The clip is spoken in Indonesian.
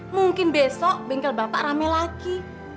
mungkin besok bengkel bapak rame lagi